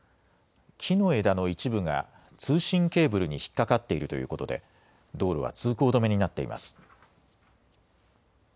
木の枝の一部が通信ケーブルに引っ掛かっているということで道路は通行止めになっています。